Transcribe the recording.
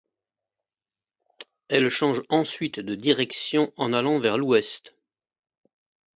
Elle change ensuite de direction en allant vers l’ouest.